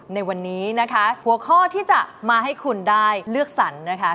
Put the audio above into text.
ในวันนี้นะคะหัวข้อที่จะมาให้คุณได้เลือกสรรนะคะ